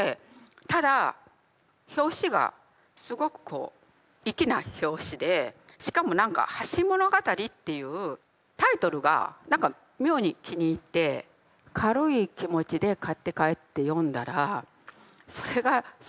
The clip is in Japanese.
ただ表紙がすごくこう粋な表紙でしかも何か「橋ものがたり」っていうタイトルが何か妙に気に入って軽い気持ちで買って帰って読んだらそれがすごく面白くて。